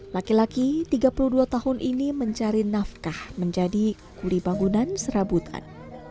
laki laki tiga puluh dua tahun ini mencari nafkah menjadi kuli bangunan serabutan